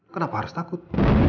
kenapa harus takut